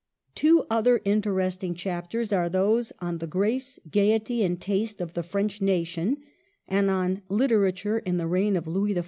Two other interesting chapters are those on the " Grace, Gaiety, and Taste of the French Nation/' and on "Literature in the Reign of Louis XIV."